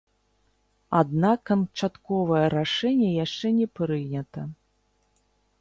Аднак канчатковае рашэнне яшчэ не прынята.